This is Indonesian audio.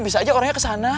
bisa aja orangnya kesana